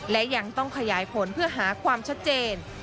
และยังต้องขยายผลเพื่อหาความชัดเจน